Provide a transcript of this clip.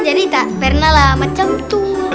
jadi tak pernah lah macam itu